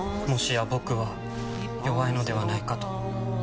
もしや僕は弱いのではないかと。